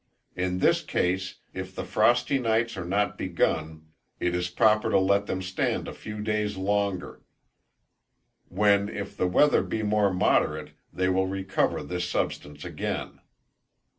In this case, if the frosty nights are not begun, it is proper to let them stand a few days longer; when, if the weather be more moderate, they will recover this substance again.